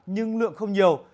nhưng lượng không nhiều